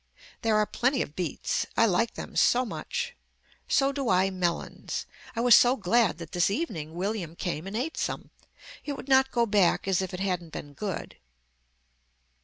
There are plenty of beets. I like them so much. So do I melons. I was so glad that this evening William came and ate some. It would not go back as if it hadn't been good.